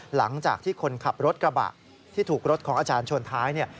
หลังจากที่คนขับรถกระบะที่ถูกรถของอาจารย์ชนท้ายเนี่ย